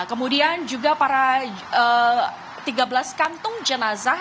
kemudian juga para tiga belas kantung jenazah